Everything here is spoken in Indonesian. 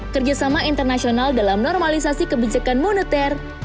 kerjasama internasional dalam normalisasi kebijakan moneter